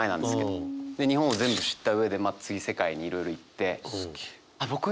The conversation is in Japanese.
で日本を全部知った上で次世界にいろいろ行って。